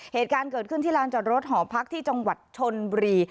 เหตุการณ์เกิดขึ้นที่ลานจอดรถหอพักที่จังหวัดชนบุรี